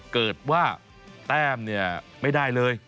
เกิดว่าแต้มเนี่ยไม่ได้เลย